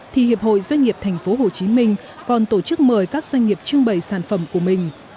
thì hiệp hội doanh nghiệp thành phố hồ chí minh còn tổ chức mời các doanh nghiệp trưng bày sản phẩm của mình